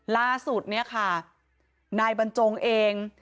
ล่าสุดเนี่ยค่ะนายบรรจงเอง